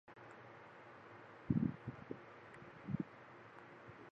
The album was an experiment in combining psychedelic trance with classical music.